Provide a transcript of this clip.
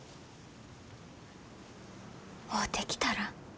会うてきたら？